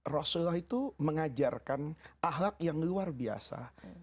rasulullah itu mengajarkan ahlak yang luar biasa